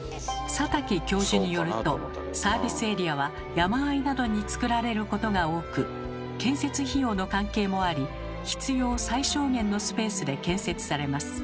佐滝教授によるとサービスエリアは山あいなどにつくられることが多く建設費用の関係もあり必要最小限のスペースで建設されます。